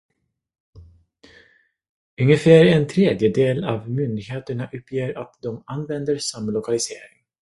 Ungefär en tredjedel av myndigheterna uppger att de använder samlokalisering.